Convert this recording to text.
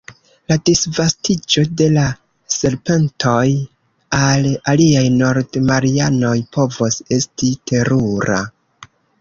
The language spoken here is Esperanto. La disvastiĝo de la serpentoj al aliaj Nord-Marianoj povos esti terura.